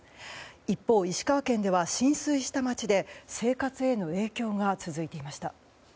一方、石川県では浸水した町で生活への影響が続いていました。